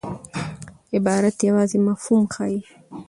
عبارت یوازي مفهوم ښيي.